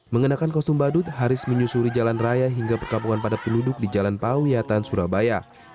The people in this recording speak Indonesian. mengenakan kostum badut haris menyusuri jalan raya hingga perkampungan pada penduduk di jalan pawiatan surabaya